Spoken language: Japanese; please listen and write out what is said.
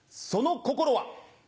その心は。